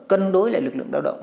cân đối lại lực lượng lao động